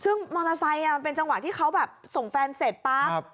ซึ่งมอเตอร์ไซค์มันเป็นจังหวะที่เขาแบบส่งแฟนเสร็จปั๊บ